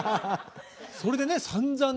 それでねさんざんね。